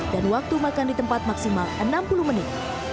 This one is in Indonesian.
dan waktu makan di tempat maksimal enam puluh menit